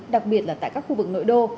đặc biệt là tại các khu vực nội đô